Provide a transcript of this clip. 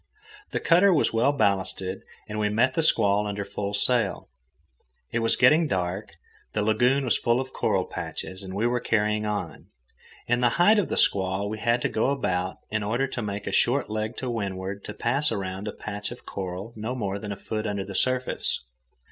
The cutter was well ballasted, and we met the squall under full sail. It was getting dark, the lagoon was full of coral patches, and we were carrying on. In the height of the squall we had to go about, in order to make a short leg to windward to pass around a patch of coral no more than a foot under the surface.